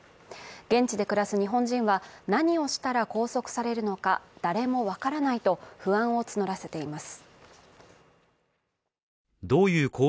現地で暮らす日本人は、何をしたら拘束されるのか、誰も分からないと不安を募らせています。